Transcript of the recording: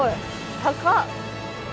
高っ。